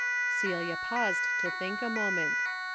" Celia paused to think a moment.